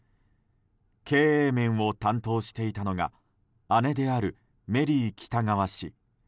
経営面を担当していたのが姉であるメリー喜多川氏。